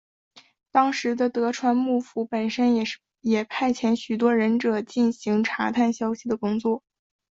当时的德川幕府本身也派遣许多忍者进行查探消息的工作。